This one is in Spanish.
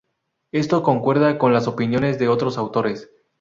Esto concuerda con las opiniones de otros autores.